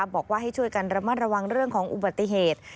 บอกว่าให้ช่วยกันระมัดระวังเรื่องของอุบัติเหตุ